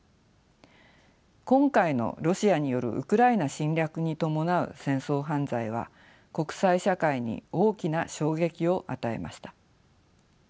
今回のロシアによるウクライナ侵略に伴う戦争犯罪は国際社会に大きな衝撃を与えました。